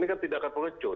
ini kan tidak akan pengecut